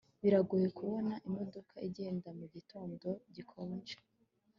Biragoye kubona imodoka igenda mugitondo gikonje